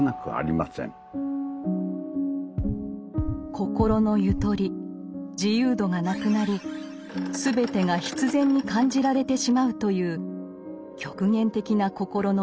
心のゆとり自由度がなくなりすべてが必然に感じられてしまうという極限的な心の状態。